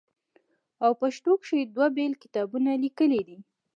او پښتو کښې دوه بيل کتابونه ليکلي دي